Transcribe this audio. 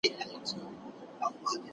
لکه ګُل د کابل حورو به څارلم